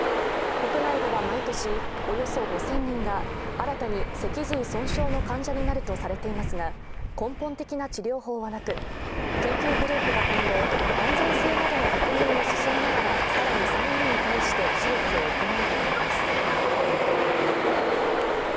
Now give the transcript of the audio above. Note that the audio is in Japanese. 国内では毎年、およそ５０００人が新たに脊髄損傷の患者になるとされていますが、根本的な治療法はなく、研究グループは今後、安全性などの確認を進めながら更に３人に対して手術を行う予定です。